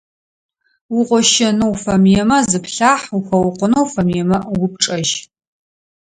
Угъощэнэу уфэмыемэ, зыплъахь, ухэукъонэу уфэмыемэ, упчӏэжь.